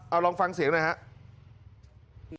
เอาลองฟังเสียงหน่อยครับ